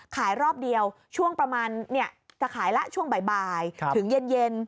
รอบเดียวช่วงประมาณจะขายแล้วช่วงบ่ายถึงเย็น